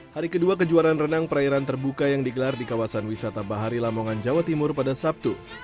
hari kedua kejuaraan renang perairan terbuka yang digelar di kawasan wisata bahari lamongan jawa timur pada sabtu